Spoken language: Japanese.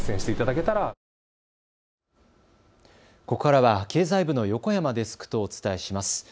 ここからは経済部の横山デスクとお伝えします。